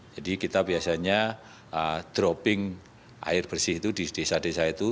jadi kita biasanya dropping air bersih itu di desa desa itu